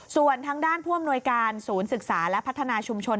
ส่วนทางด้านผู้อำนวยการศูนย์ศึกษาและพัฒนาชุมชน